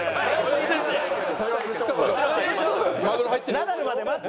ナダルまで待って。